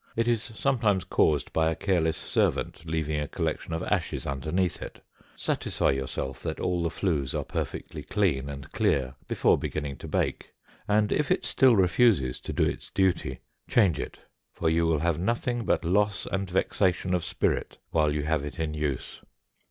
It is sometimes caused by a careless servant leaving a collection of ashes underneath it; satisfy yourself that all the flues are perfectly clean and clear before beginning to bake, and if it still refuses to do its duty, change it, for you will have nothing but loss and vexation of spirit while you have it in use.